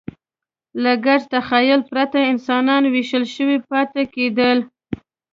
له ګډ تخیل پرته انسانان وېشل شوي پاتې کېدل.